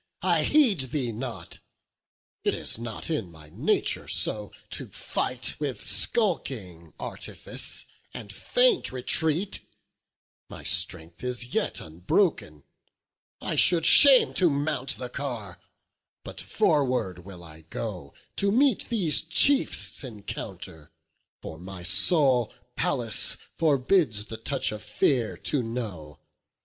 I heed thee not! It is not in my nature so to fight With skulking artifice and faint retreat; My strength is yet unbroken; I should shame To mount the car; but forward will I go To meet these chiefs' encounter; for my soul Pallas forbids the touch of fear to know.